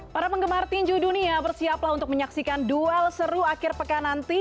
para penggemar tinju dunia bersiaplah untuk menyaksikan duel seru akhir pekan nanti